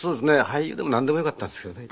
俳優でもなんでもよかったんですけどね